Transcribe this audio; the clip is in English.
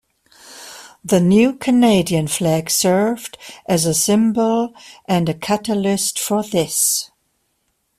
The new Canadian flag served as a symbol and a catalyst for this.